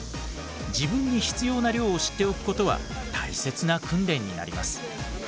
自分に必要な量を知っておくことは大切な訓練になります。